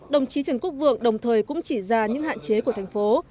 đồng chí trần quốc vượng đồng thời cũng chỉ ra những hạn chế của thành phố